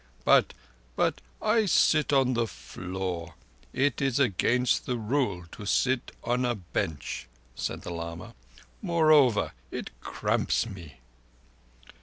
"But—but—I sit on the floor. It is against the Rule to sit on a bench," said the lama. "Moreover, it cramps me."